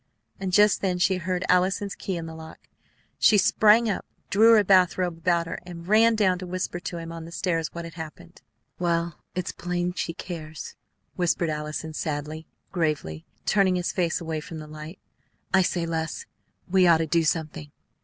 and just then she heard Allison's key in the lock. She sprang up, drew her bath robe about her, and ran down to whisper to him on the stairs what had happened. "Well, it's plain she cares," whispered Allison sadly, gravely, turning his face away from the light. "I say, Les, we ought to do something.